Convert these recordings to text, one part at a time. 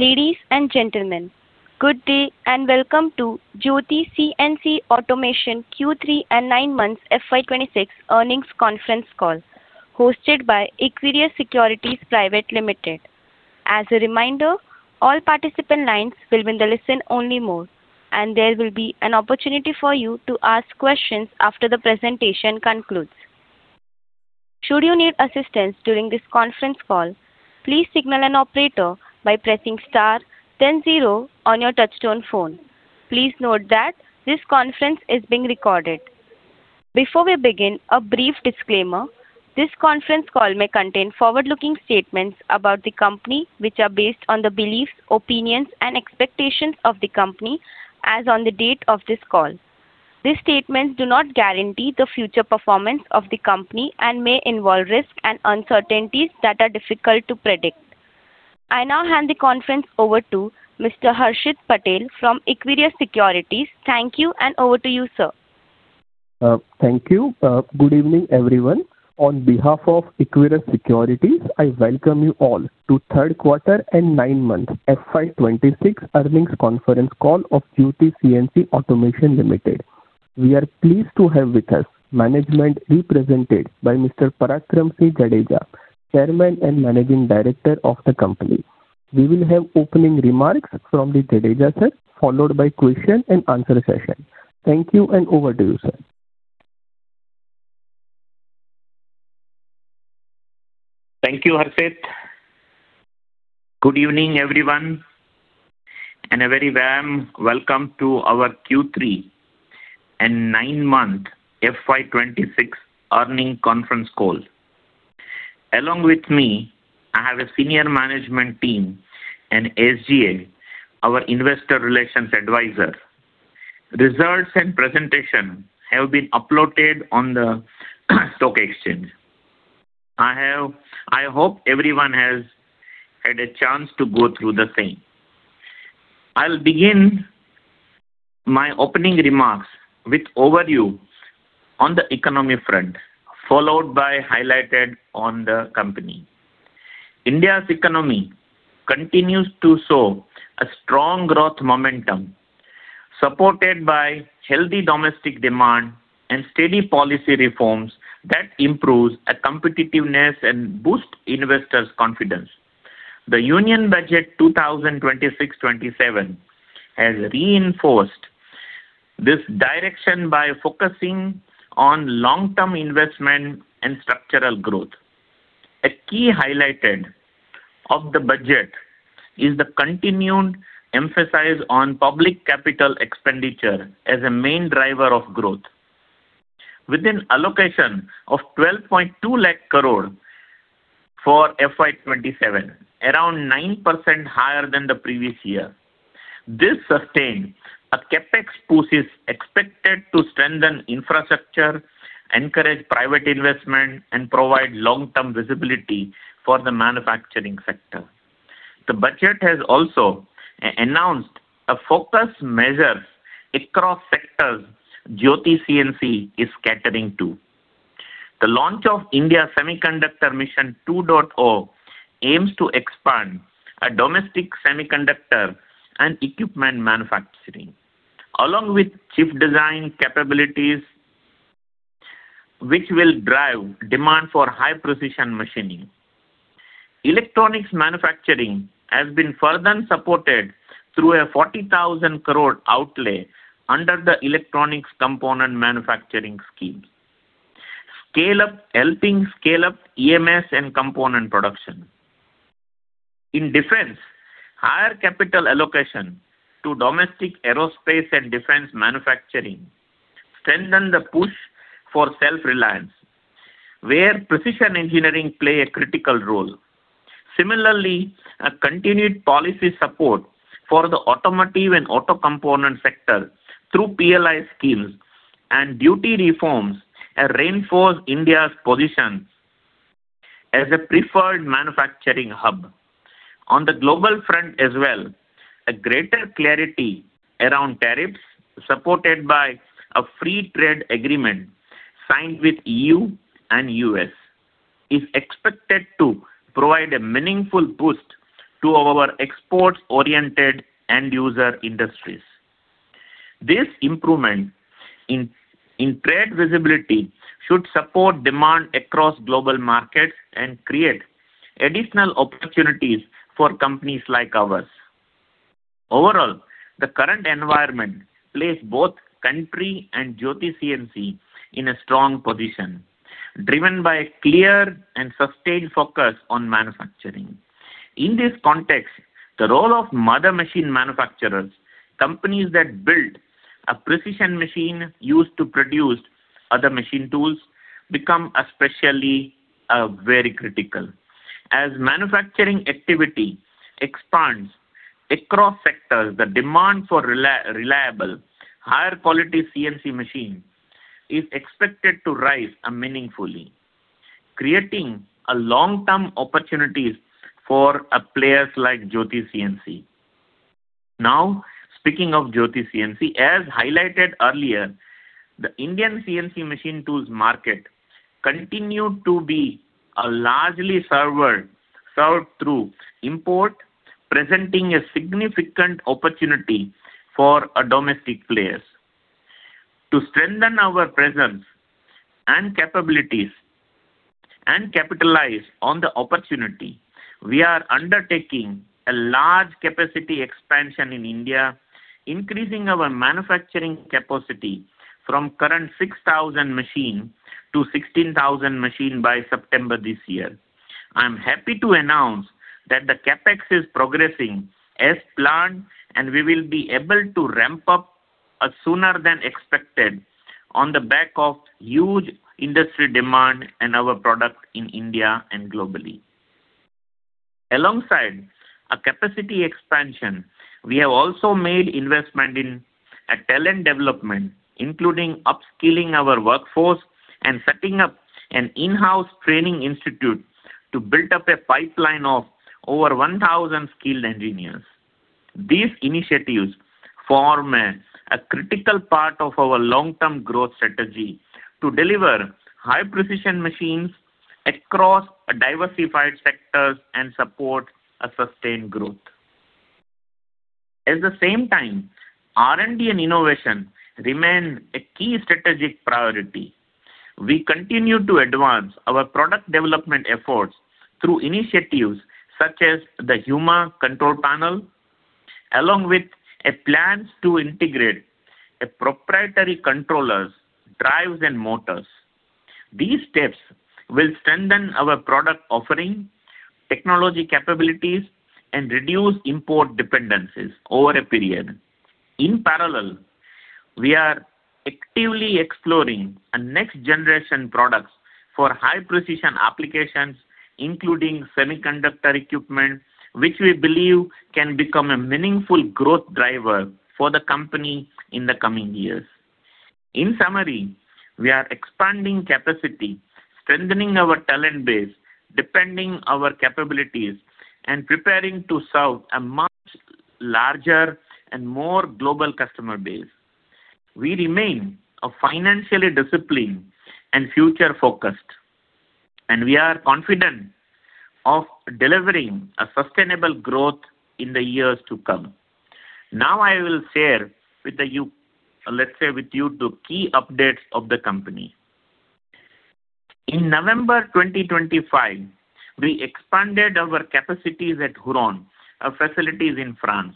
Ladies and gentlemen, good day and welcome to Jyoti CNC Automation Q3 and nine-month FY 2026 earnings conference call, hosted by Equirus Securities Pvt. Ltd. As a reminder, all participant lines will be in listen-only mode, and there will be an opportunity for you to ask questions after the presentation concludes. Should you need assistance during this conference call, please signal an operator by pressing star then zero on your touch-tone phone. Please note that this conference is being recorded. Before we begin, a brief disclaimer: this conference call may contain forward-looking statements about the company which are based on the beliefs, opinions, and expectations of the company as on the date of this call. These statements do not guarantee the future performance of the company and may involve risks and uncertainties that are difficult to predict. I now hand the conference over to Mr. Harshit Patel from Equirus Securities. Thank you, and over to you, sir. Thank you. Good evening, everyone. On behalf of Equirus Securities, I welcome you all to the third quarter and nine-month FY 2026 earnings conference call of Jyoti CNC Automation Ltd. We are pleased to have with us management represented by Mr. Parakram G. Jadeja, Chairman and Managing Director of the company. We will have opening remarks from the Jadeja sir, followed by a question-and-answer session. Thank you, and over to you, sir. Thank you, Harshit. Good evening, everyone, and a very warm welcome to our Q3 and nine-month FY 2026 earnings conference call. Along with me, I have a senior management team and SGA, our investor relations advisor. Results and presentation have been uploaded on the stock exchange. I hope everyone has had a chance to go through the same. I'll begin my opening remarks with an overview on the economy front, followed by highlights on the company. India's economy continues to show a strong growth momentum, supported by healthy domestic demand and steady policy reforms that improve competitiveness and boost investors' confidence. The Union Budget 2026-2027 has reinforced this direction by focusing on long-term investment and structural growth. A key highlight of the budget is the continued emphasis on public capital expenditure as a main driver of growth. With an allocation of 1,220,000 crore for FY 2027, around 9% higher than the previous year, this sustained a CapEx boost expected to strengthen infrastructure, encourage private investment, and provide long-term visibility for the manufacturing sector. The budget has also announced focus measures across sectors Jyoti CNC is catering to. The launch of India's Semiconductor Mission 2.0 aims to expand domestic semiconductor and equipment manufacturing, along with chip design capabilities which will drive demand for high-precision machining. Electronics manufacturing has been further supported through a 40,000 crore outlay under the Electronics Components Manufacturing Scheme, helping scale up EMS and component production. In defense, higher capital allocation to domestic aerospace and defense manufacturing strengthens the push for self-reliance, where precision engineering plays a critical role. Similarly, continued policy support for the automotive and auto component sector through PLI schemes and duty reforms reinforces India's position as a preferred manufacturing hub. On the global front as well, greater clarity around tariffs, supported by a free trade agreement signed with the EU and the U.S., is expected to provide a meaningful boost to our export-oriented end-user industries. This improvement in trade visibility should support demand across global markets and create additional opportunities for companies like ours. Overall, the current environment places both the country and Jyoti CNC in a strong position, driven by a clear and sustained focus on manufacturing. In this context, the role of mother machine manufacturers, companies that build precision machines used to produce other machine tools, becomes especially critical. As manufacturing activity expands across sectors, the demand for reliable, higher-quality CNC machines is expected to rise meaningfully, creating long-term opportunities for players like Jyoti CNC. Now, speaking of Jyoti CNC, as highlighted earlier, the Indian CNC machine tools market continues to be largely served through import, presenting a significant opportunity for domestic players. To strengthen our presence and capitalize on the opportunity, we are undertaking a large capacity expansion in India, increasing our manufacturing capacity from current 6,000 machines to 16,000 machines by September this year. I'm happy to announce that the CapEx is progressing as planned, and we will be able to ramp up sooner than expected on the back of huge industry demand and our products in India and globally. Alongside capacity expansion, we have also made investments in talent development, including upskilling our workforce and setting up an in-house training institute to build up a pipeline of over 1,000 skilled engineers. These initiatives form a critical part of our long-term growth strategy to deliver high-precision machines across diversified sectors and support sustained growth. At the same time, R&D and innovation remain a key strategic priority. We continue to advance our product development efforts through initiatives such as the Huron Control Panel, along with plans to integrate proprietary controllers, drives, and motors. These steps will strengthen our product offering, technology capabilities, and reduce import dependencies over a period. In parallel, we are actively exploring next-generation products for high-precision applications, including semiconductor equipment, which we believe can become a meaningful growth driver for the company in the coming years. In summary, we are expanding capacity, strengthening our talent base, depending on our capabilities, and preparing to serve a much larger and more global customer base. We remain financially disciplined and future-focused, and we are confident in delivering sustainable growth in the years to come. Now, I will share with you the key updates of the company. In November 2025, we expanded our capacities at Huron, a facility in France,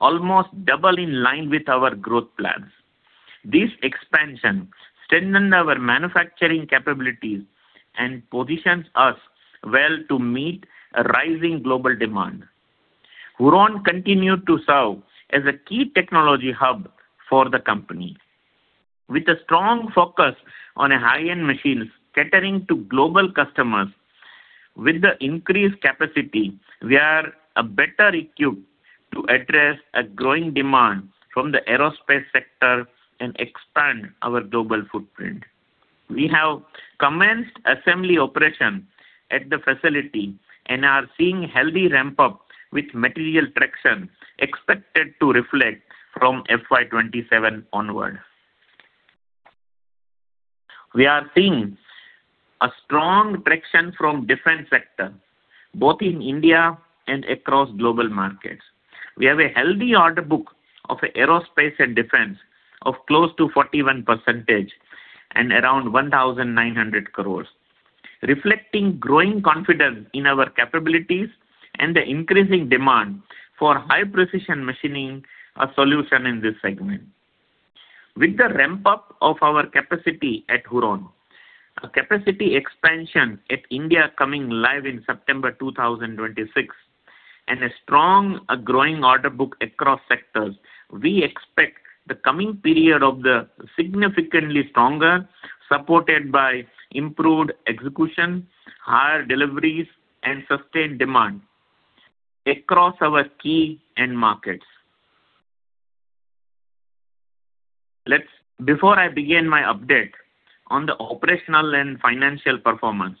almost double in line with our growth plans. This expansion strengthens our manufacturing capabilities and positions us well to meet rising global demand. Huron continues to serve as a key technology hub for the company. With a strong focus on high-end machines catering to global customers, with the increased capacity, we are better equipped to address growing demand from the aerospace sector and expand our global footprint. We have commenced assembly operations at the facility and are seeing a healthy ramp-up with material traction expected to reflect from FY 2027 onward. We are seeing strong traction from the defense sector, both in India and across global markets. We have a healthy order book of aerospace and defense of close to 41% and around 1,900 crores, reflecting growing confidence in our capabilities and the increasing demand for high-precision machining solutions in this segment. With the ramp-up of our capacity at Huron, capacity expansion in India coming live in September 2026, and a strong growing order book across sectors, we expect the coming period to be significantly stronger, supported by improved execution, higher deliveries, and sustained demand across key markets. Before I begin my update on the operational and financial performance,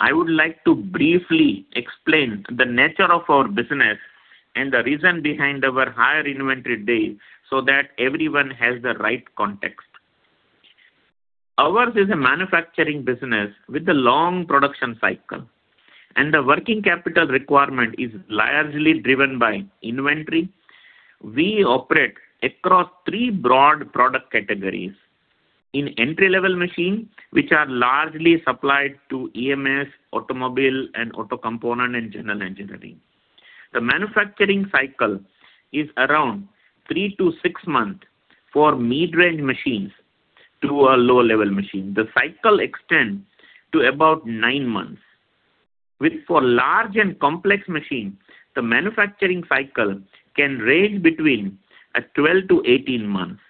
I would like to briefly explain the nature of our business and the reason behind our higher inventory days so that everyone has the right context. Ours is a manufacturing business with a long production cycle, and the working capital requirement is largely driven by inventory. We operate across three broad product categories: entry-level machines, which are largely supplied to EMS, automobile, auto component, and general engineering. The manufacturing cycle is around three to six months for mid-range machines to low-level machines. The cycle extends to about nine months. For large and complex machines, the manufacturing cycle can range between 12-18 months.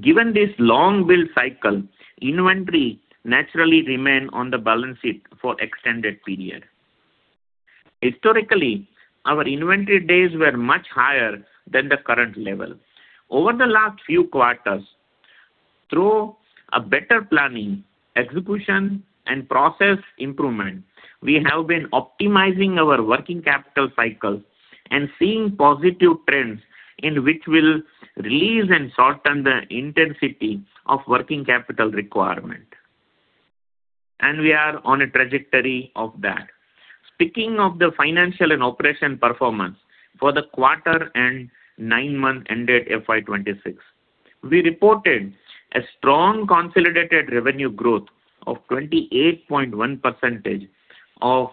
Given this long build cycle, inventory naturally remains on the balance sheet for an extended period. Historically, our inventory days were much higher than the current level. Over the last few quarters, through better planning, execution, and process improvements, we have been optimizing our working capital cycles and seeing positive trends which will reduce and shorten the intensity of working capital requirements. We are on a trajectory of that. Speaking of the financial and operational performance for the quarter and nine-month-ended FY 2026, we reported strong consolidated revenue growth of 28.1%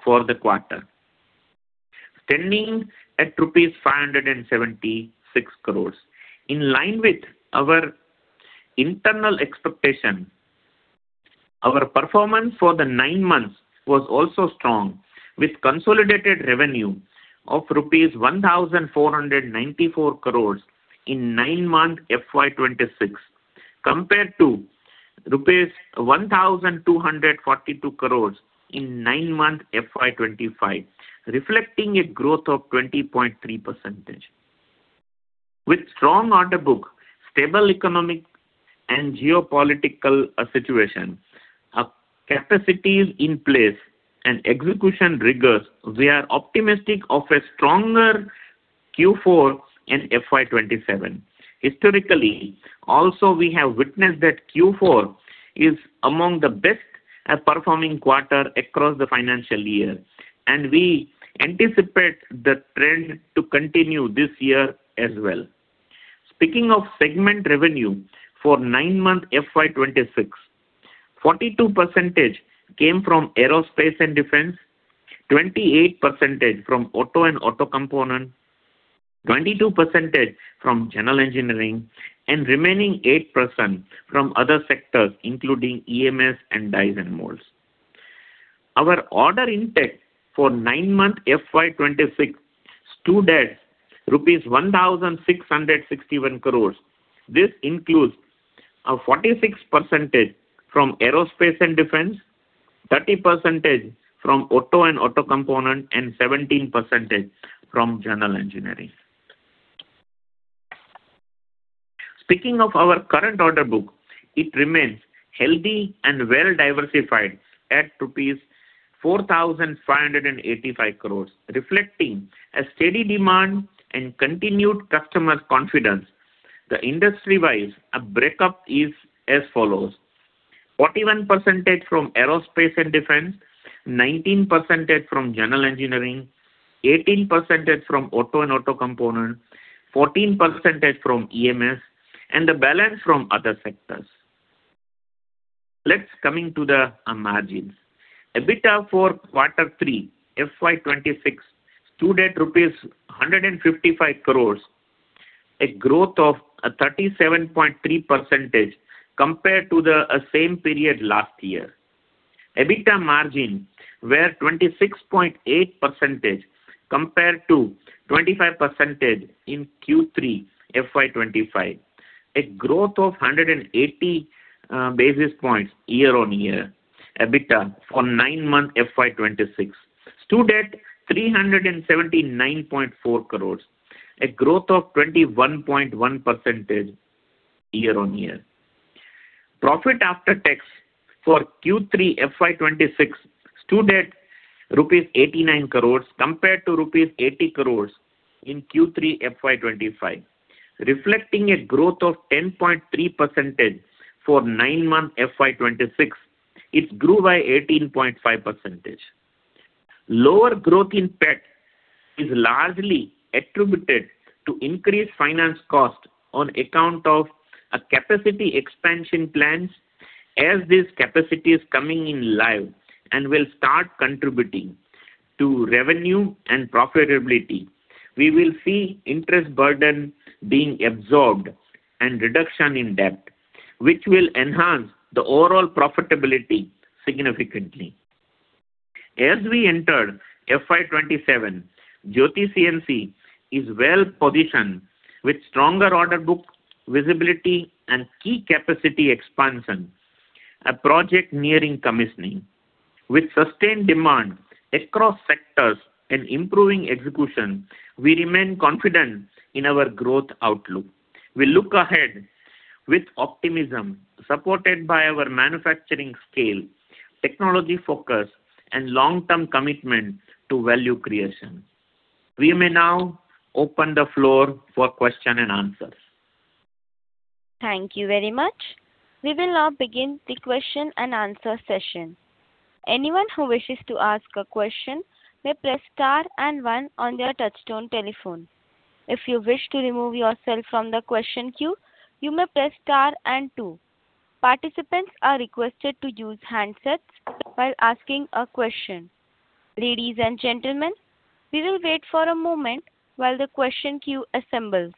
for the quarter, standing at rupees 576 crores. In line with our internal expectations, our performance for the nine months was also strong, with consolidated revenue of rupees 1,494 crores in nine-month FY 2026 compared to INR 1,242 crores in nine-month FY 2025, reflecting a growth of 20.3%. With a strong order book, stable economic, and geopolitical situations, capacity in place, and execution rigors, we are optimistic about a stronger Q4 in FY 2027. Historically, we have witnessed that Q4 is among the best-performing quarters across the financial year, and we anticipate the trend to continue this year as well. Speaking of segment revenue for nine-month FY 2026, 42% came from aerospace and defense, 28% from auto and auto components, 22% from general engineering, and the remaining 8% from other sectors, including EMS and dies and molds. Our order intake for nine-month FY 2026 stood at INR 1,661 crores. This includes 46% from aerospace and defense, 30% from auto and auto components, and 17% from general engineering. Speaking of our current order book, it remains healthy and well-diversified at rupees 4,585 crores, reflecting steady demand and continued customer confidence. Industry-wise, the breakup is as follows: 41% from aerospace and defense, 19% from general engineering, 18% from auto and auto components, 14% from EMS, and the balance from other sectors. Coming to the margins, EBITDA for quarter three FY 2026 stood at INR 155 crores, a growth of 37.3% compared to the same period last year. EBITDA margins were 26.8% compared to 25% in Q3 FY 2025, a growth of 180 basis points year-on-year. EBITDA for nine-month FY 2026 stood at 379.4 crores, a growth of 21.1% year-on-year. Profit after tax for Q3 FY 2026 stood at rupees 89 crores compared to rupees 80 crores in Q3 FY 2025, reflecting a growth of 10.3% for nine-month FY 2026. It grew by 18.5%. Lower growth in PAT is largely attributed to increased finance costs on account of capacity expansion plans. As this capacity is coming live and will start contributing to revenue and profitability, we will see interest burden being absorbed and reduction in debt, which will enhance the overall profitability significantly. As we enter FY 2027, Jyoti CNC is well-positioned with stronger order book visibility and key capacity expansion, a project nearing commissioning. With sustained demand across sectors and improving execution, we remain confident in our growth outlook. We look ahead with optimism supported by our manufacturing scale, technology focus, and long-term commitment to value creation. We may now open the floor for questions and answers. Thank you very much. We will now begin the question-and-answer session. Anyone who wishes to ask a question may press star and one on their touch-tone telephone. If you wish to remove yourself from the question queue, you may press star and two. Participants are requested to use handsets while asking a question. Ladies and gentlemen, we will wait for a moment while the question queue assembles.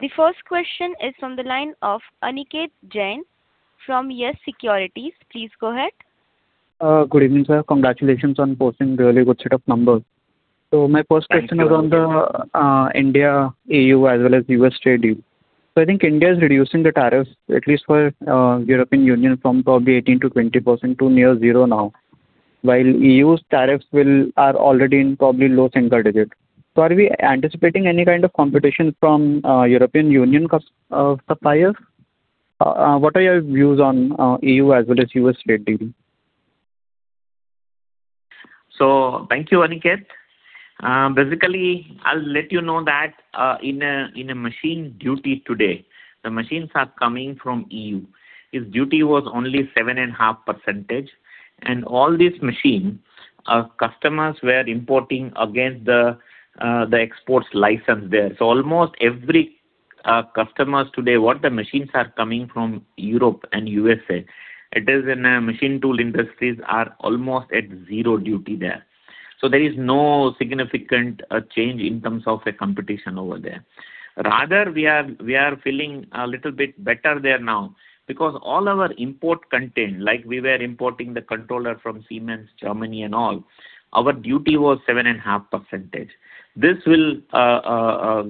The first question is from the line of Aniket Jain from YES Securities. Please go ahead. Good evening, sir. Congratulations on posting a really good set of numbers. So my first question is on the India-E.U. as well as U.S. trade deal. So I think India is reducing the tariffs, at least for the European Union, from probably 18%-20% to near zero now, while the E.U.'s tariffs are already in probably low single digit. So are we anticipating any kind of competition from the European Union suppliers? What are your views on the E.U. as well as the U.S. trade deal? So thank you, Aniket. Basically, I'll let you know that in machine duty today, the machines are coming from the EU. Its duty was only 7.5%. And all these machines, customers were importing against the exports license there. So almost every customer today, what the machines are coming from Europe and the USA, machine tool industries are almost at zero duty there. So there is no significant change in terms of competition over there. Rather, we are feeling a little bit better there now because all our import content, like we were importing the controller from Siemens, Germany, and all, our duty was 7.5%. This is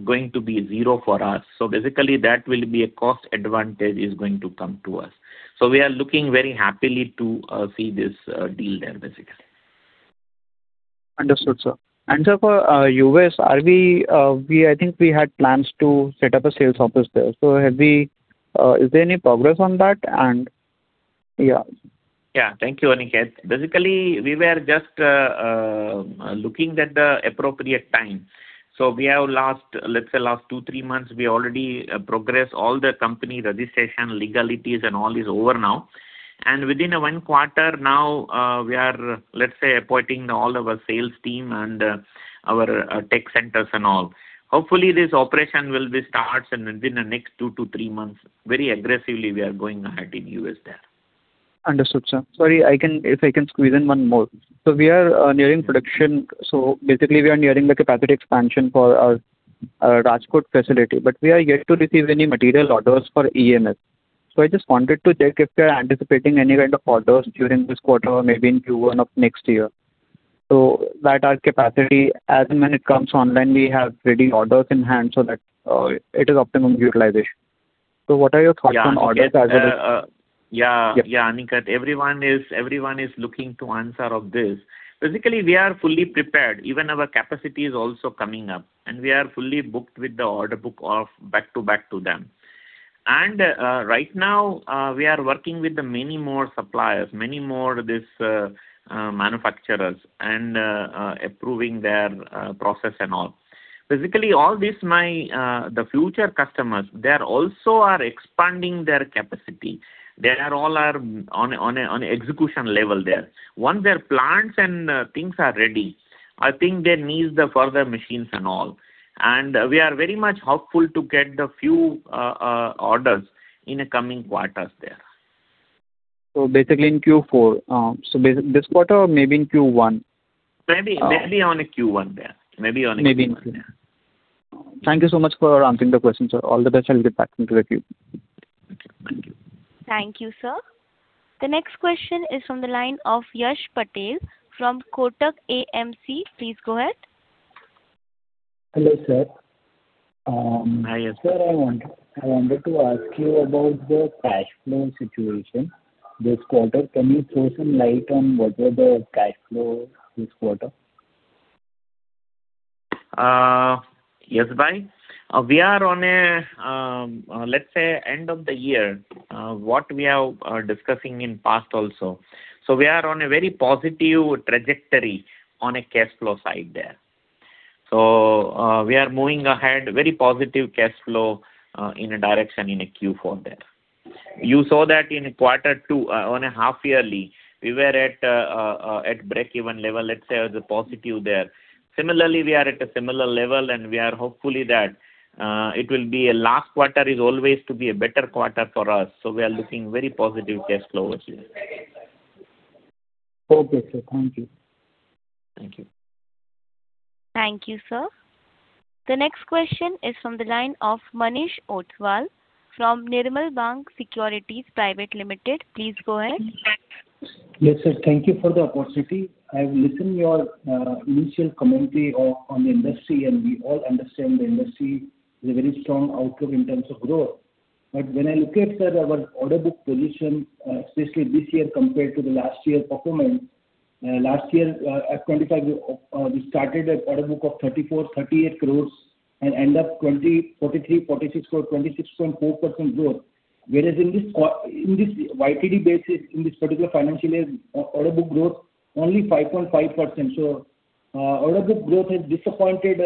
going to be zero for us. So basically, that will be a cost advantage that is going to come to us. So we are looking very happily to see this deal there, basically. Understood, sir. And sir, for the U.S., I think we had plans to set up a sales office there. So is there any progress on that? Yeah. Yeah. Thank you, Aniket. Basically, we were just looking at the appropriate time. So let's say the last two to three months, we already progressed all the company registration legalities and all is over now. And within one quarter now, we are, let's say, appointing all of our sales teams and our tech centers and all. Hopefully, this operation will start within the next two to three months. Very aggressively, we are going ahead in the U.S. there. Understood, sir. Sorry, if I can squeeze in one more. So we are nearing production. So basically, we are nearing the capacity expansion for our Rajkot facility. But we are yet to receive any material orders for EMS. So I just wanted to check if we are anticipating any kind of orders during this quarter or maybe in Q1 of next year. So that our capacity, as when it comes online, we have ready orders in hand so that it is optimum utilization. So what are your thoughts on orders as well as? Yeah. Yeah. Yeah, Aniket. Everyone is looking to answer this. Basically, we are fully prepared. Even our capacity is also coming up. And we are fully booked with the order book back to back to them. And right now, we are working with many more suppliers, many more manufacturers, and approving their process and all. Basically, all this, the future customers, they also are expanding their capacity. They are all on execution level there. Once their plants and things are ready, I think they need the further machines and all. And we are very much hopeful to get the few orders in the coming quarters there. So basically, in Q4. So this quarter, maybe in Q1. Maybe. Maybe on Q1 there. Maybe on Q1 there. Thank you so much for answering the question, sir. All the best. I'll get back into the queue. Thank you. Thank you, sir. The next question is from the line of Yash Patel from Kotak AMC. Please go ahead. Hello, sir. Hi, Yash. Sir, I wanted to ask you about the cash flow situation this quarter. Can you throw some light on what were the cash flows this quarter? Yes. We are on, let's say, the end of the year, what we are discussing in the past also. So we are on a very positive trajectory on the cash flow side there. So we are moving ahead, very positive cash flow in a direction in Q4 there. You saw that in quarter two, on a half-yearly, we were at break-even level. Let's say it was positive there. Similarly, we are at a similar level. And we are hopeful that the last quarter is always to be a better quarter for us. So we are looking very positive cash flow over here. Okay, sir. Thank you. Thank you. Thank you, sir. The next question is from the line of Manish Ostwal from Nirmal Bang Securities Private Limited. Please go ahead. Yes, sir. Thank you for the opportunity. I have listened to your initial commentary on the industry, and we all understand the industry is a very strong outlook in terms of growth. But when I look at, sir, our order book position, especially this year compared to the last year's performance, last year at 25, we started an order book of 34 crores-38 crores and ended up at 43 crores-46 crores, 26.4% growth. Whereas in this YTD basis, in this particular financial year, order book growth is only 5.5%. So order book growth has disappointed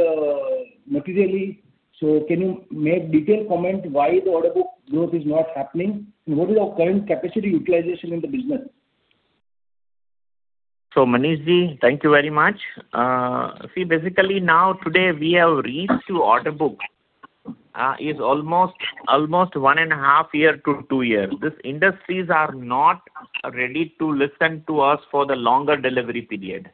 materially. So can you make a detailed comment on why the order book growth is not happening? And what is our current capacity utilization in the business? So Manishji, thank you very much. See, basically, now today, we have reached the order book is almost one and a half to two years. These industries are not ready to listen to us for the longer delivery period.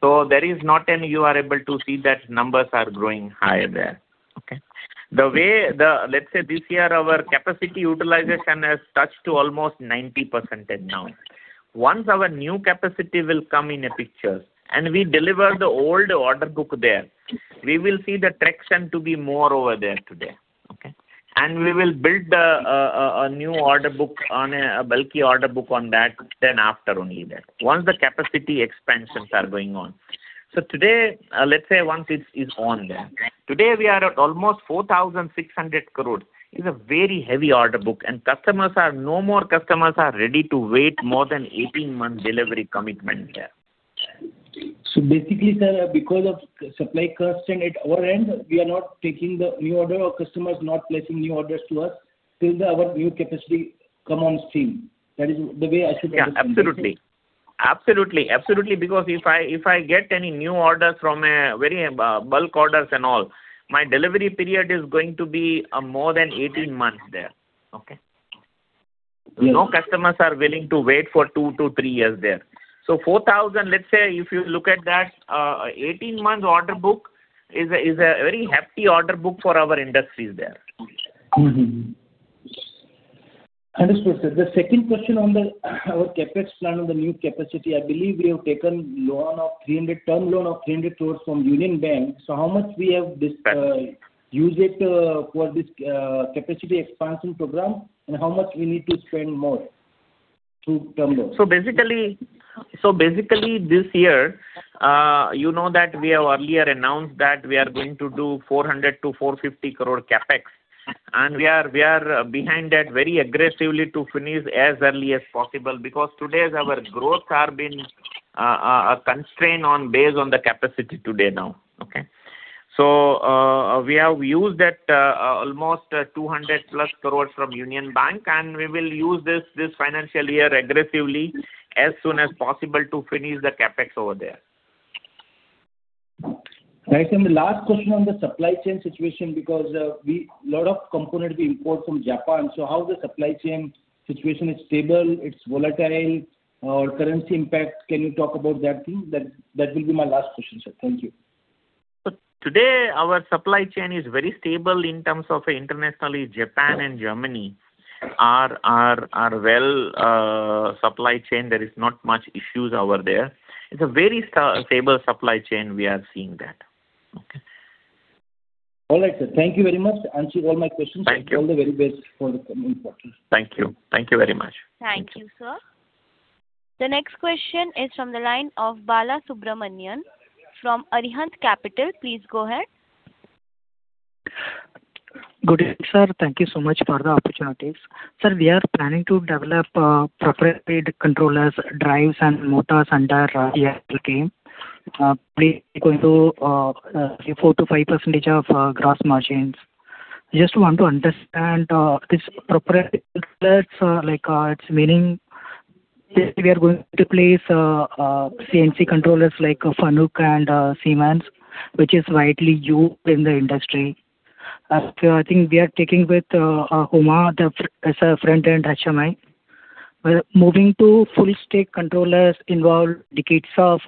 So there is not any you are able to see that numbers are growing higher there. Let's say this year, our capacity utilization has touched almost 90% now. Once our new capacity comes in the picture and we deliver the old order book there, we will see the traction to be more over there today. And we will build a new order book on a bulky order book on that, then after only that, once the capacity expansions are going on. So today, let's say once it is on there, today, we are at almost 4,600 crores. It's a very heavy order book. No more customers are ready to wait more than 18 months delivery commitment there. Basically, sir, because of supply costs on our end, we are not taking the new order or customers are not placing new orders to us till our new capacity comes on stream. That is the way I should understand it? Absolutely. Absolutely. Absolutely. Because if I get any new orders from very bulk orders and all, my delivery period is going to be more than 18 months there. No customers are willing to wait for two to three years there. So 4,000, let's say if you look at that, an 18-month order book is a very hefty order book for our industries there. Understood, sir. The second question on our CapEx plan on the new capacity, I believe we have taken a loan of 300 term loan of 300 crore from Union Bank of India. So how much do we use it for this capacity expansion program and how much do we need to spend more term loans? So basically, this year, you know that we have earlier announced that we are going to do 400 crore-450 crore CapEx. And we are behind that very aggressively to finish as early as possible because today, our growth has been constrained based on the capacity today now. So we have used almost 200+ crore from Union Bank. And we will use this financial year aggressively as soon as possible to finish the CapEx over there. Right. And the last question on the supply chain situation because a lot of components we import from Japan. So how is the supply chain situation? Is it stable? Is it volatile? Or currency impact? Can you talk about that thing? That will be my last question, sir. Thank you. Today, our supply chain is very stable in terms of internationally. Japan and Germany are well supply chained. There are not many issues over there. It's a very stable supply chain. We are seeing that. All right, sir. Thank you very much. Answered all my questions. Thank you. All the very best for the coming quarter. Thank you. Thank you very much. Thank you, sir. The next question is from the line of Balasubramanian from Arihant Capital. Please go ahead. Good evening, sir. Thank you so much for the opportunities. Sir, we are planning to develop proprietary controllers, drives, and motors under the PLI. We are going to see 4%-5% of gross margins. I just want to understand these proprietary controllers, it's meaning we are going to place CNC controllers like Fanuc and Siemens, which is widely used in the industry. I think we are taking with HMI as a front-end HMI. Moving to full-stack controllers involves decades of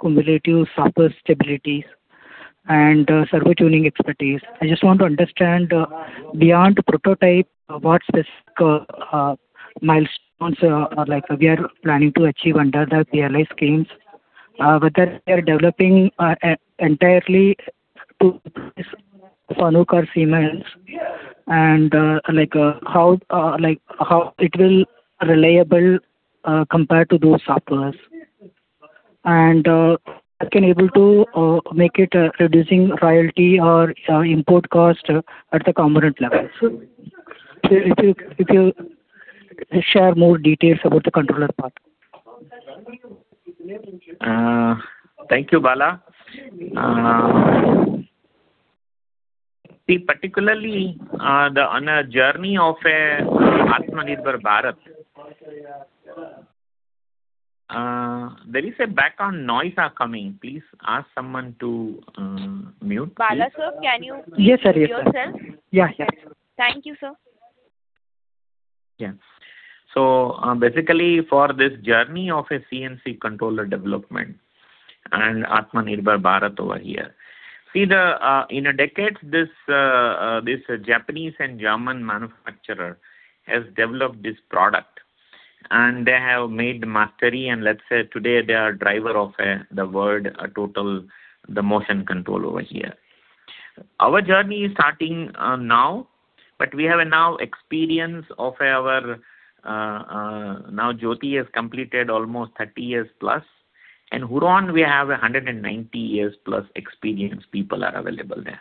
cumulative software stabilities and servo tuning expertise. I just want to understand beyond prototype, what specific milestones we are planning to achieve under the PLI schemes, whether we are developing entirely to use Fanuc or Siemens, and how it will be reliable compared to those softwares, and if we are able to make it reduce royalty or import cost at the component levels. If you share more details about the controller part? Thank you, Bala. See, particularly on the journey of Atmanirbhar Bharat, there is a background noise coming. Please ask someone to mute. Bala, sir, can you mute yourself? Yes, sir. Yes, sir. Yeah, yeah. Thank you, sir. Yeah. So basically, for this journey of CNC controller development and Atmanirbhar Bharat over here, see, in decades, this Japanese and German manufacturer has developed this product. And they have made mastery. And let's say today, they are driving the world, the motion control over here. Our journey is starting now. But we have now experience of our now Jyoti has completed almost 30 years+. And Huron, we have 190 years+ experienced people available there.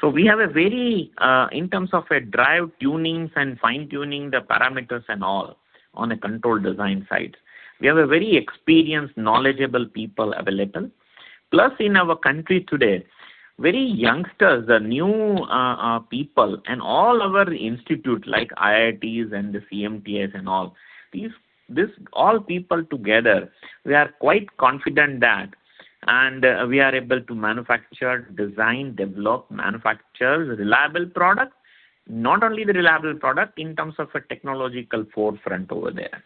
So we have a very in terms of drive tunings and fine-tuning the parameters and all on the control design sides, we have very experienced, knowledgeable people available. Plus, in our country today, very youngsters, the new people and all our institutes like IITs and the CMTI and all, all these people together, we are quite confident that we are able to manufacture, design, develop, manufacture reliable products, not only the reliable products in terms of a technological forefront over there.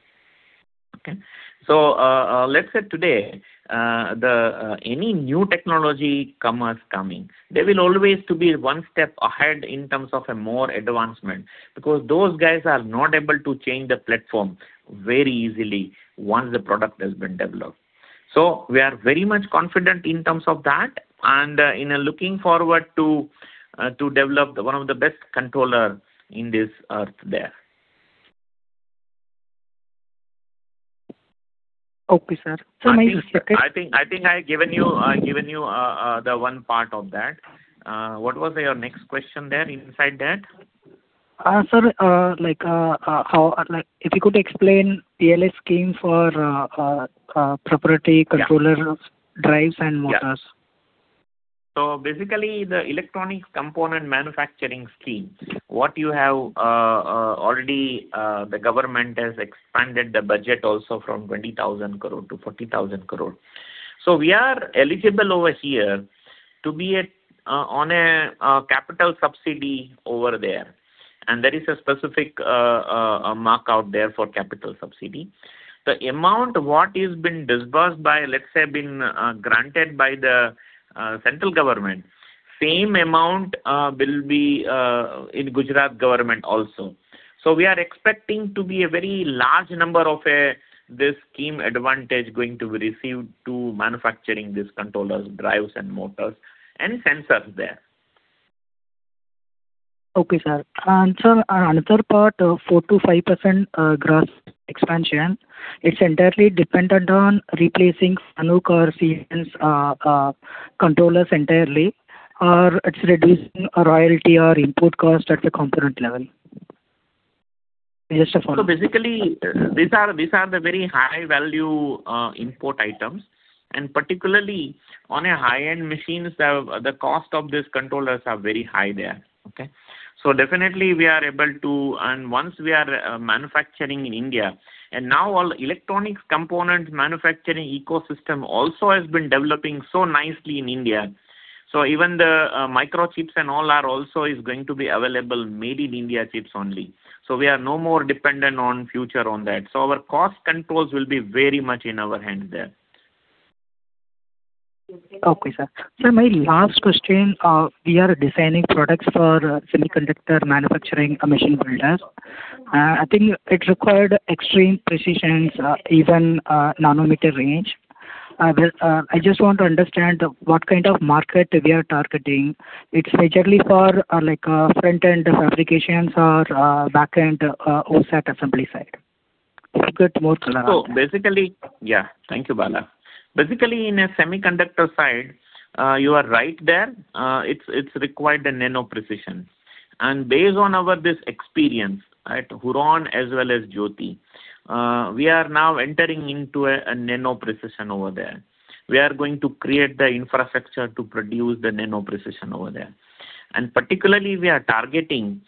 So let's say today, any new technology commerce coming, they will always be one step ahead in terms of more advancement because those guys are not able to change the platform very easily once the product has been developed. So we are very much confident in terms of that and looking forward to developing one of the best controllers on this earth there. Okay, sir. I think I have given you the one part of that. What was your next question inside that? Sir, if you could explain the PLI scheme for proprietary controllers, drives, and motors. So basically, the Electronics Components Manufacturing Scheme, what you have already, the government has expanded the budget also from 20,000 crore to 40,000 crore. So we are eligible over here to be on a capital subsidy over there. And there is a specific mark out there for capital subsidy. The amount that has been disbursed by, let's say, been granted by the central government, the same amount will be in the Gujarat government also. So we are expecting to be a very large number of this scheme advantage going to be received to manufacturing these controllers, drives, and motors, and sensors there. Okay, sir. Sir, another part, 4%-5% gross expansion, it's entirely dependent on replacing Fanuc or Siemens controllers entirely, or it's reducing royalty or import cost at the component level. Just a follow-up. Basically, these are the very high-value import items. Particularly, on high-end machines, the cost of these controllers is very high there. Definitely, we are able and once we are manufacturing in India and now, all electronics components manufacturing ecosystem also has been developing so nicely in India. Even the microchips and all are also going to be available, made in India chips only. We are no more dependent in the future on that. Our cost controls will be very much in our hands there. Okay, sir. Sir, my last question, we are designing products for semiconductor manufacturing machine builders. I think it requires extreme precision, even nanometer range. I just want to understand what kind of market we are targeting. It's majorly for front-end fabrications or back-end OSAT assembly side. If you could add more color on that. So basically, yeah. Thank you, Bala. Basically, in the semiconductor side, you are right there. It's required nano precision. Based on this experience at Huron as well as Jyoti, we are now entering into nano precision over there. We are going to create the infrastructure to produce the nano precision over there. And particularly, we are targeting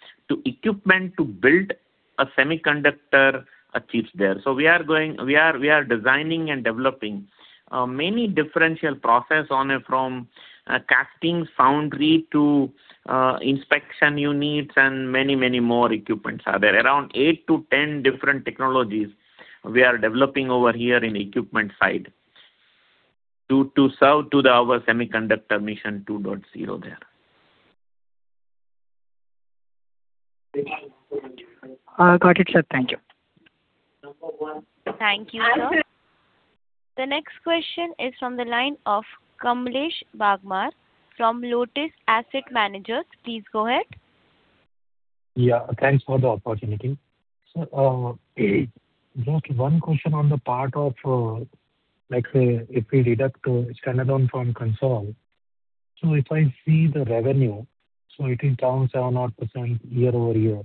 equipment to build semiconductor chips there. So we are designing and developing many different processes from casting, foundry, to inspection units, and many, many more equipment are there. Around 8-10 different technologies we are developing over here in the equipment side to serve our Semiconductor Mission 2.0 there. Got it, sir. Thank you. Thank you, sir. The next question is from the line of Kamlesh Bagmar from Lotus Asset Managers. Please go ahead. Yeah. Thanks for the opportunity. Sir, just one question on the part of, let's say, if we deduct standalone from consolidated. So if I see the revenue, so it is down 7% or 8% year-over-year.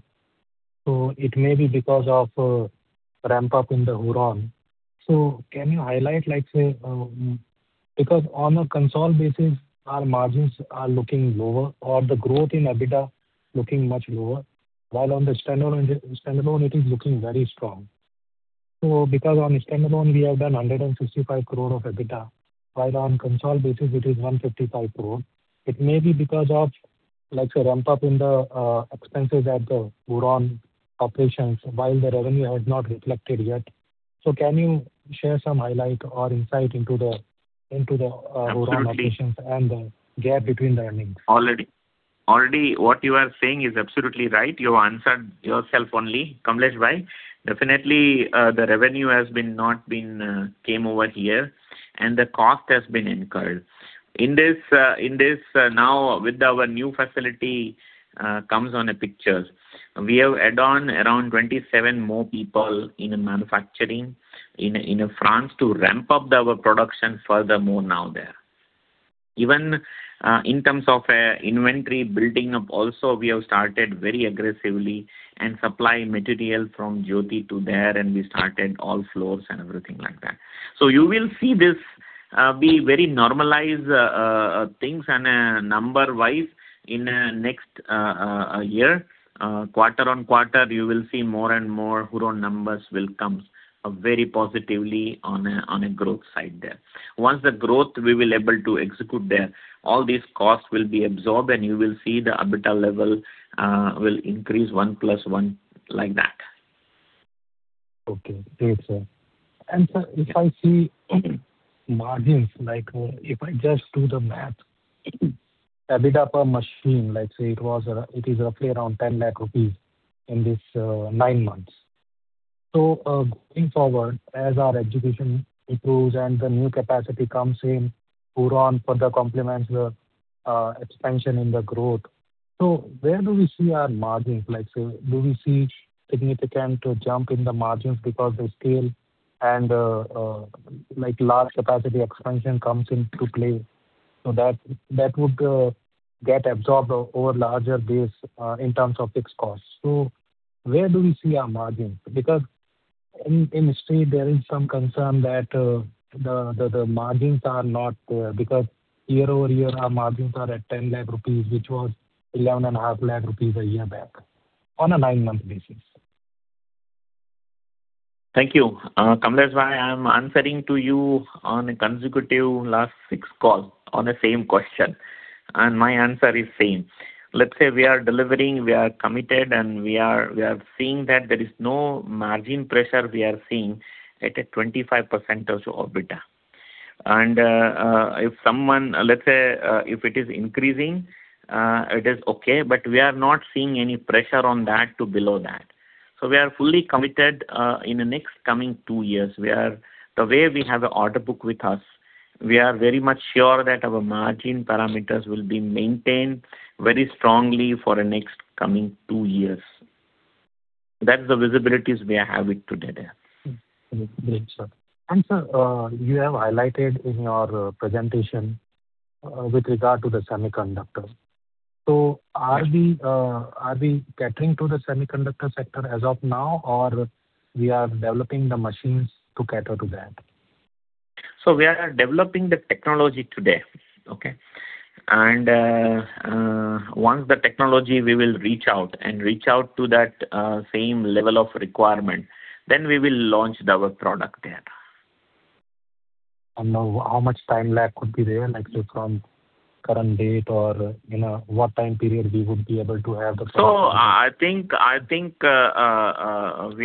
So it may be because of a ramp-up in Huron. So can you highlight, let's say, because on a consolidated basis, our margins are looking lower or the growth in EBITDA is looking much lower, while on the standalone, it is looking very strong. So because on standalone, we have done 165 crore of EBITDA, while on consolidated basis, it is 155 crore. It may be because of a ramp-up in the expenses at the Huron operations, while the revenue has not reflected yet. So can you share some highlight or insight into the Huron operations and the gap between the earnings? Already. Already, what you are saying is absolutely right. You answered yourself only, Kamleshbhai. Definitely, the revenue has not come over here. The cost has been incurred. Now, with our new facility coming on the pictures, we have added on around 27 more people in manufacturing in France to ramp up our production furthermore now there. Even in terms of inventory building up, also, we have started very aggressively and supplied material from Jyoti to there. We started all floors and everything like that. So you will see these very normalized things number-wise in the next year. Quarter-on-quarter, you will see more and more Huron numbers coming very positively on the growth side there. Once the growth we will be able to execute there, all these costs will be absorbed. You will see the EBITDA level will increase 1 + 1 like that. Okay. Thanks, sir. And sir, if I see margins, if I just do the math, EBITDA per machine, let's say it is roughly around 10 lakh rupees in these nine months. So going forward, as our education improves and the new capacity comes in Huron, further complements the expansion in the growth, so where do we see our margins? Let's say, do we see a significant jump in the margins because the scale and large capacity expansion comes into play? So that would get absorbed over a larger base in terms of fixed costs. So where do we see our margins? Because in the industry, there is some concern that the margins are not there because year-over-year, our margins are at 10 lakh rupees, which was 11.5 lakh rupees a year back on a nine-month basis. Thank you. Kamleshbhai, I'm answering to you on a consecutive last six calls on the same question. My answer is the same. Let's say we are delivering, we are committed, and we are seeing that there is no margin pressure we are seeing at a 25% of EBITDA. If someone, let's say, if it is increasing, it is okay. We are not seeing any pressure below that. We are fully committed in the next coming two years. The way we have an order book with us, we are very much sure that our margin parameters will be maintained very strongly for the next coming two years. That's the visibility we have today there. Great, sir. And sir, you have highlighted in your presentation with regard to the semiconductors. So are we catering to the semiconductor sector as of now, or we are developing the machines to cater to that? We are developing the technology today. Once the technology, we will reach out and reach out to that same level of requirement, then we will launch our product there. How much time lag could be there, let's say, from the current date or what time period we would be able to have the product? I think we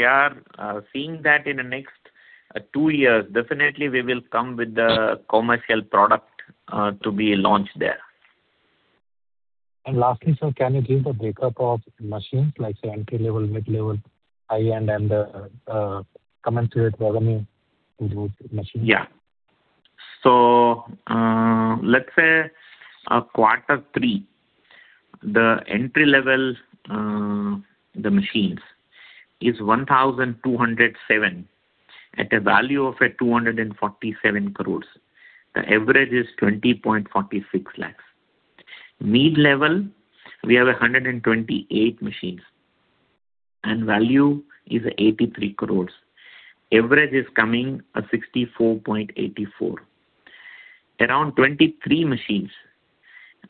are seeing that in the next two years. Definitely, we will come with the commercial product to be launched there. And lastly, sir, can you give the breakup of machines, let's say, entry-level, mid-level, high-end, and the commensurate revenue to those machines? Yeah. So let's say quarter three, the entry-level machines are 1,207 at a value of 247 crores. The average is 20.46 lakhs. Mid-level, we have 128 machines. And value is 83 crores. Average is coming to 64.84. Around 23 machines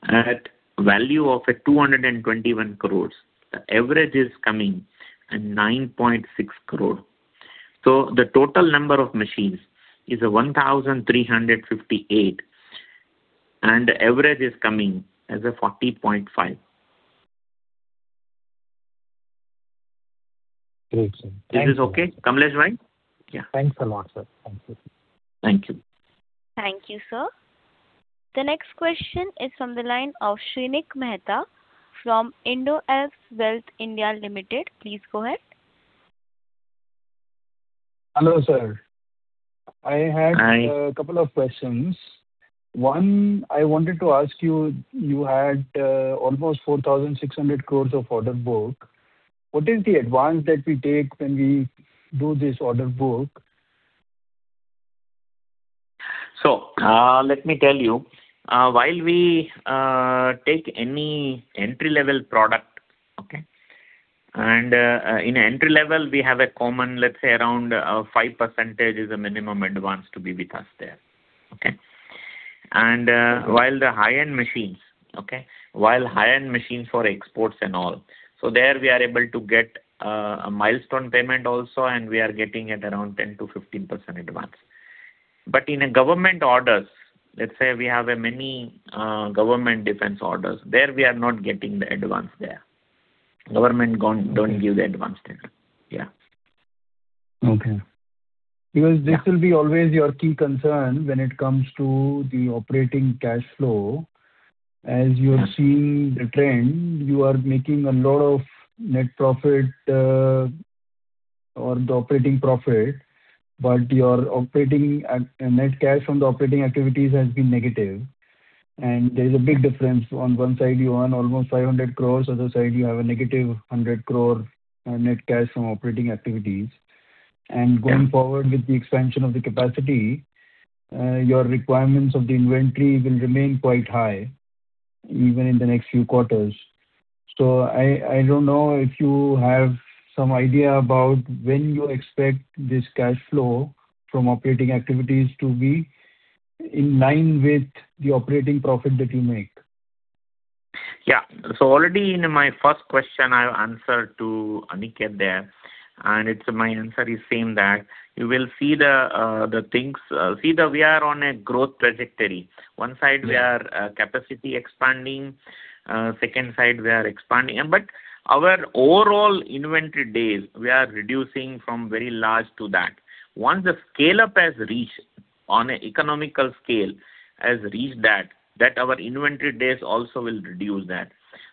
at a value of 221 crores. The average is coming to 9.6 crores. So the total number of machines is 1,358. And the average is coming to 40.5. Great, sir. This is okay, Kamleshbhai? Yeah. Thanks a lot, sir. Thank you. Thank you. Thank you, sir. The next question is from the line of Shrenik Mehta from Indo-Alp Wealth India Limited. Please go ahead. Hello, sir. I had a couple of questions. One, I wanted to ask you, you had almost 4,600 crore of order book. What is the advance that we take when we do this order book? So let me tell you, while we take any entry-level product, okay, and in entry-level, we have a common, let's say, around 5% is a minimum advance to be with us there. And while the high-end machines, okay, while high-end machines for exports and all, so there, we are able to get a milestone payment also. And we are getting around 10%-15% advance. But in government orders, let's say we have many government defense orders, there, we are not getting the advance there. Government doesn't give the advance there. Yeah. Okay. Because this will be always your key concern when it comes to the operating cash flow. As you are seeing the trend, you are making a lot of net profit or the operating profit, but your net cash from the operating activities has been negative. There is a big difference. On one side, you earn almost 500 crore. On the other side, you have a negative 100 crore net cash from operating activities. Going forward with the expansion of the capacity, your requirements of the inventory will remain quite high even in the next few quarters. I don't know if you have some idea about when you expect this cash flow from operating activities to be in line with the operating profit that you make. Yeah. So already in my first question, I answered to Aniket there. My answer is the same that you will see the things see that we are on a growth trajectory. One side, we are capacity expanding. Second side, we are expanding. But our overall inventory days, we are reducing from very large to that. Once the scale-up has reached on an economic scale, has reached that, our inventory days also will reduce that.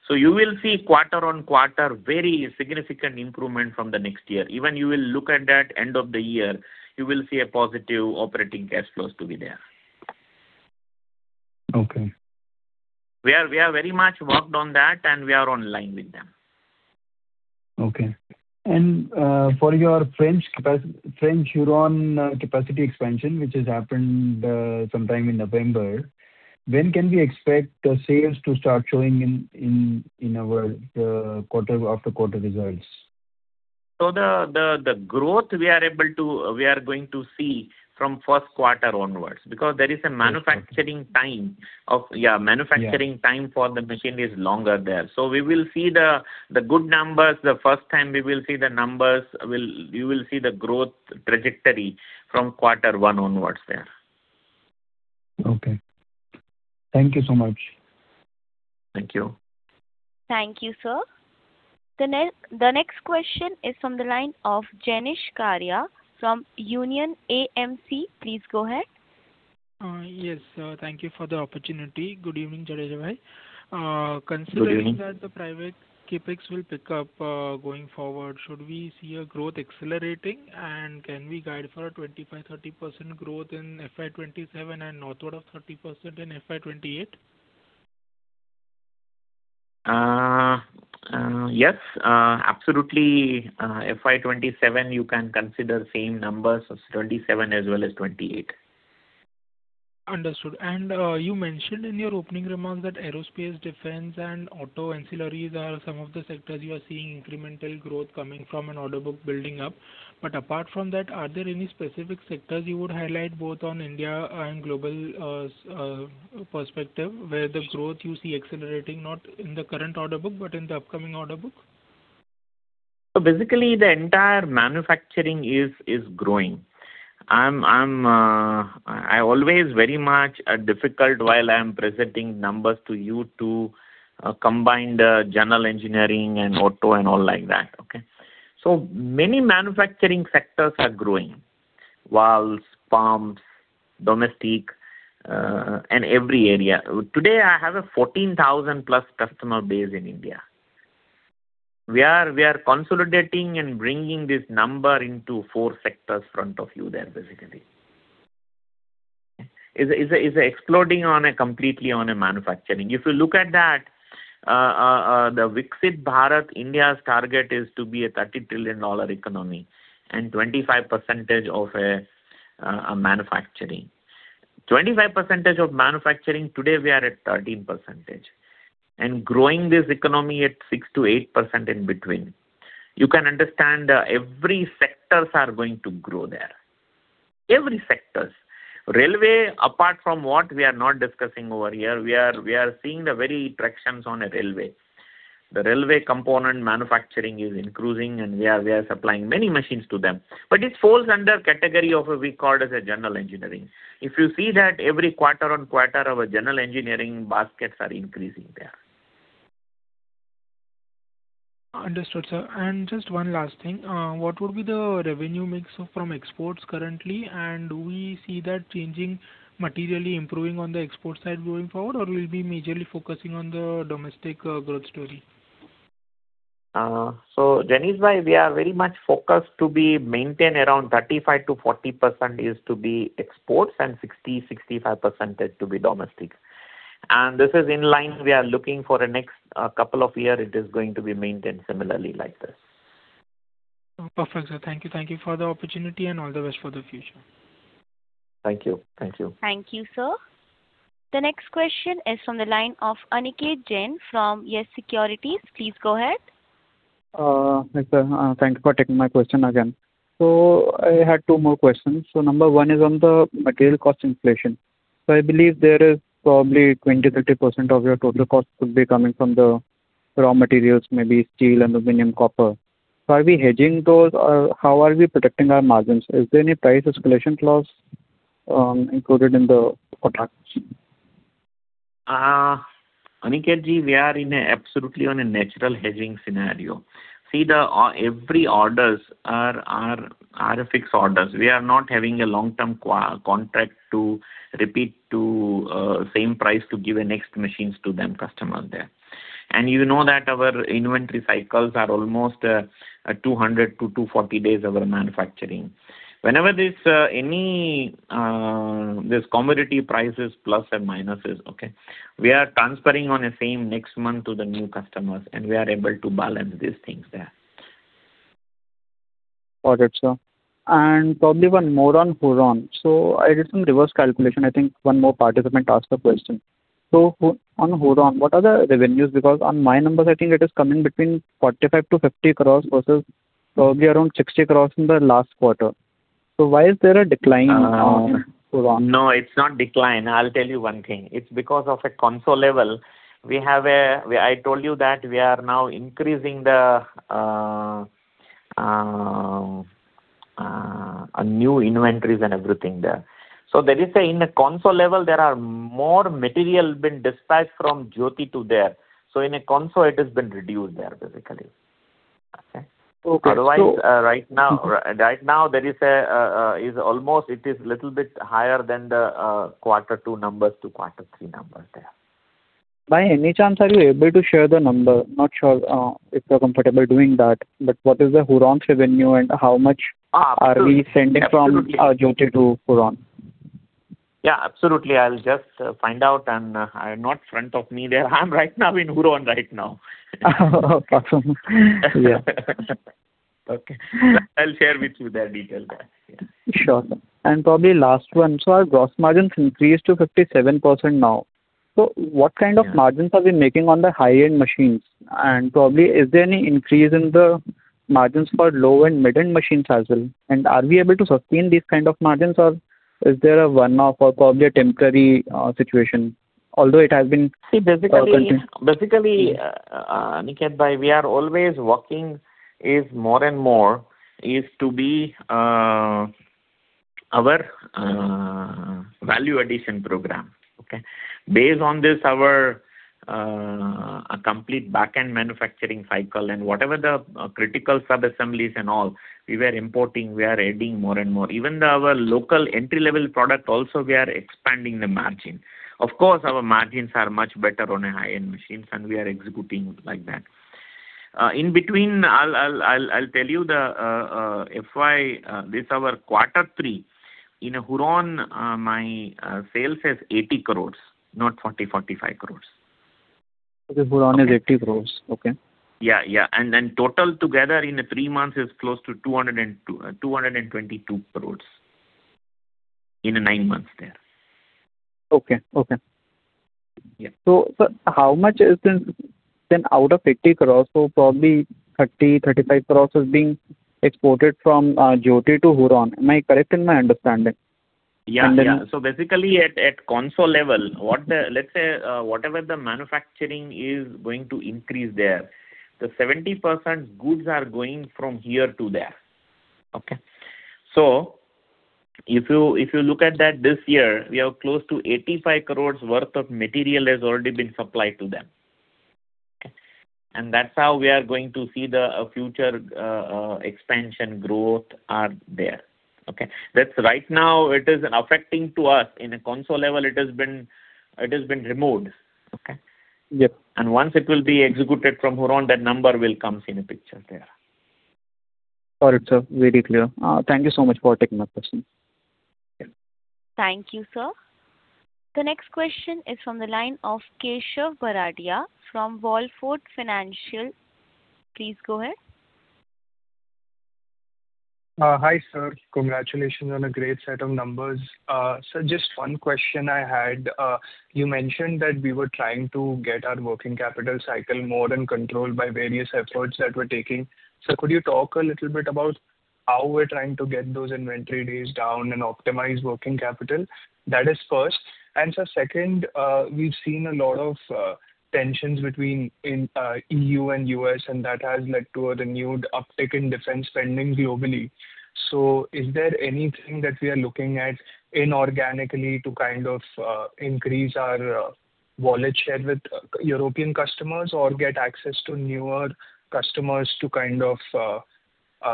So you will see quarter-on-quarter very significant improvement from the next year. Even you will look at that end of the year, you will see positive operating cash flows to be there. Okay. We have very much worked on that. We are on line with them. Okay. For your French Huron capacity expansion, which has happened sometime in November, when can we expect the sales to start showing in our quarter-over-quarter results? So the growth we are going to see from first quarter onwards because there is a manufacturing time, manufacturing time for the machine is longer there. So we will see the good numbers. The first time, we will see the numbers. You will see the growth trajectory from quarter one onwards there. Okay. Thank you so much. Thank you. Thank you, sir. The next question is from the line of Jenish Karia from Union AMC. Please go ahead. Yes, sir. Thank you for the opportunity. Good evening to everyone. Considering that the private capex will pick up going forward, should we see a growth accelerating? And can we guide for a 25%-30% growth in FY 2027 and northward of 30% in FY 2028? Yes, absolutely. FY 2027, you can consider the same numbers, 2027 as well as 2028. Understood. And you mentioned in your opening remarks that aerospace, defense, and auto ancillaries are some of the sectors you are seeing incremental growth coming from an order book building up. But apart from that, are there any specific sectors you would highlight both on India and global perspective where the growth you see accelerating not in the current order book but in the upcoming order book? So basically, the entire manufacturing is growing. I'm always very much difficult while I'm presenting numbers to you to combine the general engineering and auto and all like that, okay? So many manufacturing sectors are growing: oils, pumps, domestic, and every area. Today, I have a 14,000-plus customer base in India. We are consolidating and bringing this number into four sectors front of you there, basically. It's exploding completely on manufacturing. If you look at that, the Viksit Bharat India's target is to be a $30 trillion economy and 25% of manufacturing. 25% of manufacturing, today, we are at 13% and growing this economy at 6%-8% in between. You can understand every sector is going to grow there, every sector. Railway, apart from what we are not discussing over here, we are seeing very traction on the railway. The railway component manufacturing is increasing. We are supplying many machines to them. This falls under a category we call general engineering. If you see that every quarter-on-quarter, our general engineering baskets are increasing there. Understood, sir. Just one last thing. What would be the revenue mix from exports currently? And do we see that changing, materially improving on the export side going forward, or will we be majorly focusing on the domestic growth story? So Jenishbhai, we are very much focused to maintain around 35%-40% is to be exports and 60%-65% to be domestic. And this is in line. We are looking for the next couple of years, it is going to be maintained similarly like this. Perfect, sir. Thank you. Thank you for the opportunity. All the best for the future. Thank you. Thank you. Thank you, sir. The next question is from the line of Aniket Jain from YES Securities. Please go ahead. Thank you for taking my question again. So I had two more questions. So number one is on the material cost inflation. So I believe there is probably 20%-30% of your total costs could be coming from the raw materials, maybe steel and aluminum, copper. So are we hedging those? How are we protecting our margins? Is there any price escalation clause included in the contract? Aniket Jain, we are in an absolutely natural hedging scenario. See, every order is a fixed order. We are not having a long-term contract to repeat the same price to give the next machines to those customers there. And you know that our inventory cycles are almost 200-240 days of our manufacturing. Whenever there's commodity prices plus and minuses, okay, we are transferring on the same next month to the new customers. And we are able to balance these things there. Got it, sir. And probably one more on Huron. So I did some reverse calculation. I think one more participant asked a question. So on Huron, what are the revenues? Because on my numbers, I think it is coming between 45 crores-50 crores versus probably around 60 crores in the last quarter. So why is there a decline on Huron? No, it's not decline. I'll tell you one thing. It's because of a consol level. I told you that we are now increasing the new inventories and everything there. So there is a in the consol level, there are more materials being dispatched from Jyoti to there. So in the console, it has been reduced there, basically. Otherwise, right now, there is almost it is a little bit higher than the quarter two numbers to quarter three numbers there. By any chance, are you able to share the number? Not sure if you're comfortable doing that. But what is the Huron's revenue, and how much are we sending from Jyoti to Huron? Yeah, absolutely. I'll just find out. Not in front of me there. I'm right now in Huron right now. Awesome. Yeah. Okay. I'll share with you the detail there. Sure, sir. And probably last one. So our gross margins increased to 57% now. So what kind of margins are we making on the high-end machines? And probably, is there any increase in the margins for low-end, mid-end machines as well? And are we able to sustain these kinds of margins, or is there a one-off or probably a temporary situation, although it has been? See, basically, Aniket bhai, we are always working more and more to be our value addition program, okay? Based on this, our complete back-end manufacturing cycle and whatever the critical sub-assemblies and all, we were importing. We are adding more and more. Even our local entry-level product, also, we are expanding the margin. Of course, our margins are much better on the high-end machines. And we are executing like that. In between, I'll tell you the FY, this is our quarter three. In Huron, my sales are 80 crore, not 40 crore-45 crore. Okay. Huron is 80 crore, okay? Yeah, yeah. And then total together in three months is close to 222 crore in nine months there. Okay, okay. So how much is then out of 80 crore? So probably 30 crore-35 crore is being exported from Jyoti to Huron. Am I correct in my understanding? Yeah, yeah. So basically, at consol level, let's say whatever the manufacturing is going to increase there, the 70% goods are going from here to there. Okay? So if you look at that this year, we are close to 85 crores' worth of material has already been supplied to them. Okay? And that's how we are going to see the future expansion growth there, okay? Right now, it is affecting us. In the consol level, it has been removed, okay? And once it will be executed from Huron, that number will come in the picture there. Got it, sir. Very clear. Thank you so much for taking my question. Thank you, sir. The next question is from the line of Keshav Bharadia from Wallfort Financial. Please go ahead. Hi, sir. Congratulations on a great set of numbers. So just one question I had. You mentioned that we were trying to get our working capital cycle more in control by various efforts that we're taking. So could you talk a little bit about how we're trying to get those inventory days down and optimize working capital? That is first. And so second, we've seen a lot of tensions between the EU and U.S. And that has led to the new uptick in defense spending globally. So is there anything that we are looking at inorganically to kind of increase our wallet share with European customers or get access to newer customers to kind of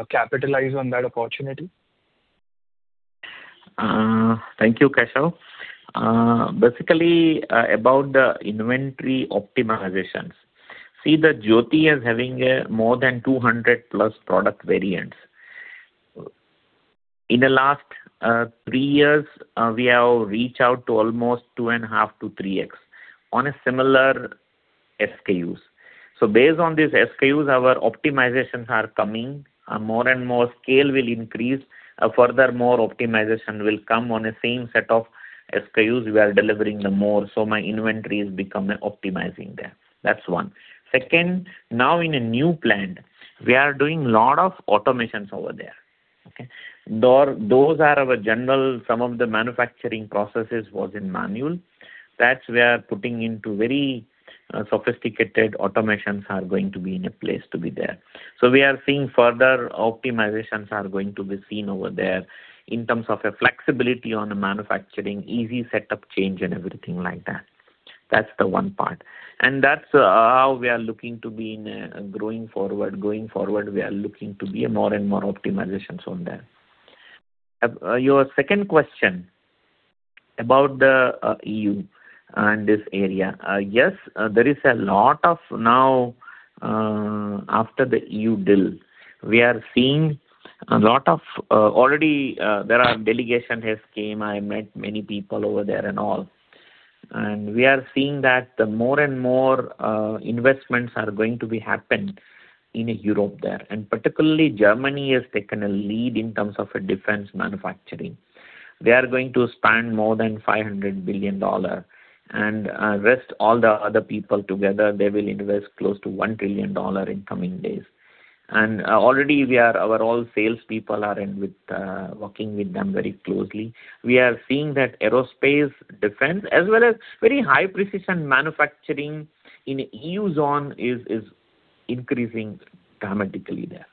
capitalize on that opportunity? Thank you, Keshav. Basically, about the inventory optimizations, see, Jyoti is having more than 200+ product variants. In the last three years, we have reached out to almost 2.5x-3x on similar SKUs. So based on these SKUs, our optimizations are coming more and more. Scale will increase. Furthermore, optimization will come on the same set of SKUs. We are delivering more. So my inventory is becoming optimized there. That's one. Second, now in a new plan, we are doing a lot of automations over there, okay? Those are our general. Some of the manufacturing processes were manual. That's where putting into very sophisticated automations is going to be in a place to be there. So we are seeing further optimizations are going to be seen over there in terms of flexibility on manufacturing, easy setup change, and everything like that. That's the one part. That's how we are looking to be growing forward. Going forward, we are looking to be more and more optimizations on there. Your second question about the EU and this area, yes, there is a lot of now, after the EU deal, we are seeing a lot of already, delegations have came. I met many people over there and all. We are seeing that more and more investments are going to happen in Europe there. And particularly, Germany has taken a lead in terms of defense manufacturing. They are going to spend more than $500 billion. And the rest of all the other people together, they will invest close to $1 trillion in the coming days. And already, our salespeople are working with them very closely. We are seeing that aerospace defense as well as very high-precision manufacturing in the EU zone is increasing dramatically there.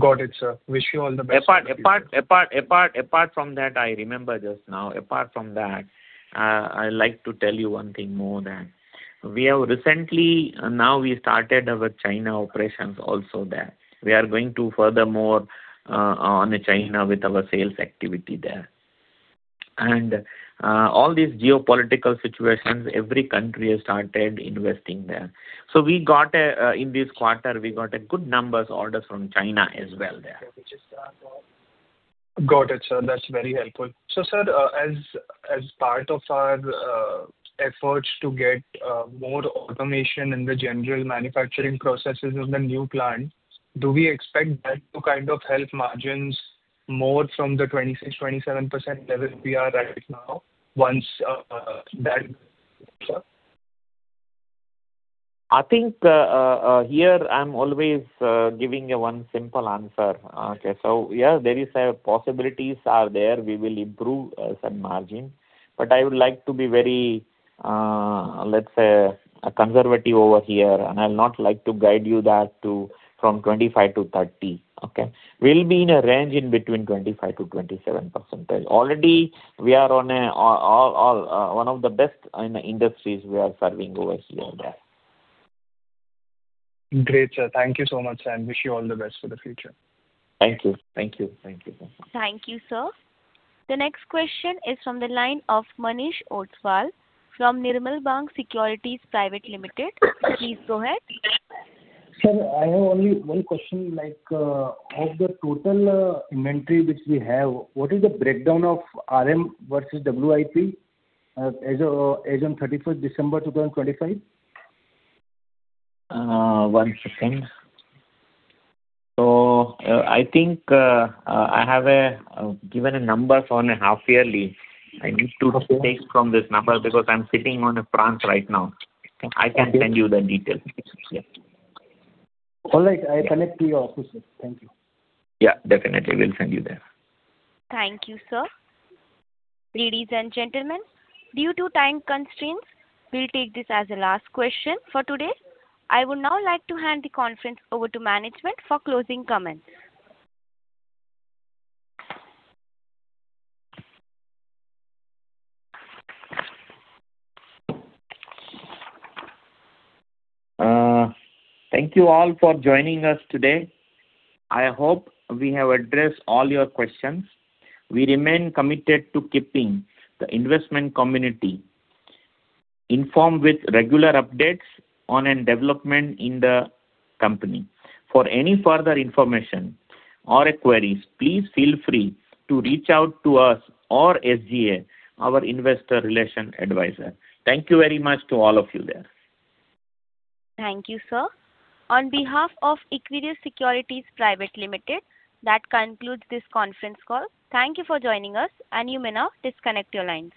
Got it, sir. Wish you all the best. Apart from that, I remember just now, apart from that, I'd like to tell you one thing more that now, we started our China operations also there. We are going furthermore on China with our sales activity there. And all these geopolitical situations, every country has started investing there. So in this quarter, we got good numbers, orders from China as well there. Got it, sir. That's very helpful. So sir, as part of our efforts to get more automation in the general manufacturing processes of the new plant, do we expect that to kind of help margins more from the 26%-27% level we are at right now once that? I think here, I'm always giving one simple answer, okay? So yeah, there are possibilities there. We will improve some margin. But I would like to be very, let's say, conservative over here. And I would not like to guide you from 25%-30%, okay? We'll be in a range in between 25%-27%. Already, we are one of the best industries we are serving over here there. Great, sir. Thank you so much, sir. Wish you all the best for the future. Thank you. Thank you. Thank you. Thank you, sir. The next question is from the line of Manish Ostwal from Nirmal Bang Securities Private Limited. Please go ahead. Sir, I have only one question. Of the total inventory which we have, what is the breakdown of RM versus WIP as of 31st December, 2025? One second. So I think I have given numbers on a half-yearly. I need to take from this number because I'm sitting in France right now. I can send you the details. Yeah. All right. I connect to your offices. Thank you. Yeah, definitely. We'll send you there. Thank you, sir. Ladies and gentlemen, due to time constraints, we'll take this as a last question for today. I would now like to hand the conference over to management for closing comments. Thank you all for joining us today. I hope we have addressed all your questions. We remain committed to keeping the investment community informed with regular updates on developments in the company. For any further information or queries, please feel free to reach out to us or SGA, our investor relations advisor. Thank you very much to all of you there. Thank you, sir. On behalf of Equirus Securities Private Limited, that concludes this conference call. Thank you for joining us. You may now disconnect your lines.